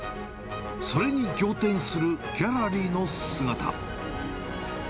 それに仰天するギャラリーの姿。